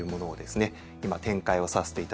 今展開をさせていただいております。